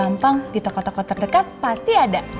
gampang di toko toko terdekat pasti ada